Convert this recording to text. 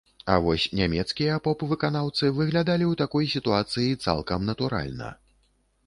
А вось нямецкія поп-выканаўцы выглядалі ў такой сітуацыі цалкам натуральна.